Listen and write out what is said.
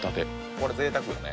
これ贅沢よね